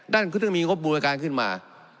นั่นก็จะมีงบบูรการขึ้นมา